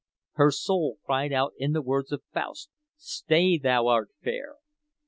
Her soul cried out in the words of Faust, "Stay, thou art fair!"